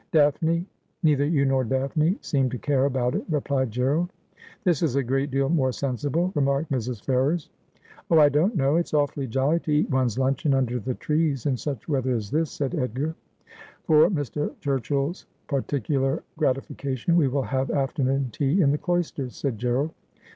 ' Daphne Neither you nor Daphne seemed to care about it,' replied Gerald. ' "This is a great deal more sensible,' remarked Mrs. Ferrers. ' Oh, I dont know; it's awfully jolly to eat one's luncheon under the trees in such weather as this,' said Edgar. ' For Mr. Turchill's particular gratification, we will have afternoon tea in the cloisters,' said Gerald.